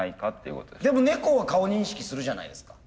でも猫は顔認識するじゃないですか。